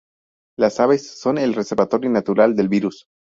Las aves son el reservorio natural del virus.